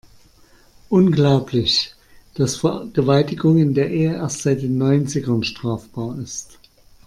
Unglaublich, dass Vergewaltigung in der Ehe erst seit den Neunzigern strafbar ist.